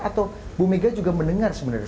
atau bu mega juga mendengar sebenarnya